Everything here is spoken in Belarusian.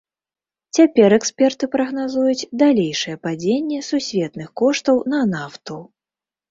Цяпер эксперты прагназуюць далейшае падзенне сусветных коштаў на нафту.